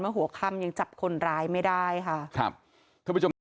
ว่าหัวคำยังจับคนร้ายไม่ได้ค่ะครับ